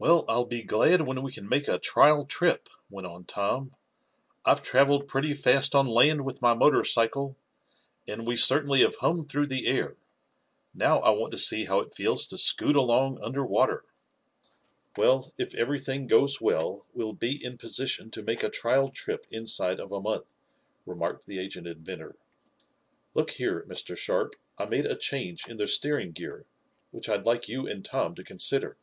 "Well, I'll be glad when we can make a trial trip," went on Tom. "I've traveled pretty fast on land with my motorcycle, and we certainly have hummed through the air. Now I want to see how it feels to scoot along under water." "Well, if everything goes well we'll be in position to make a trial trip inside of a month," remarked the aged inventor. "Look here, Mr. Sharp, I made a change in the steering gear, which I'd like you and Tom to consider."